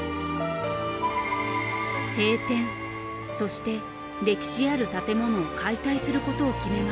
閉店そして歴史ある建物を解体することを決めました。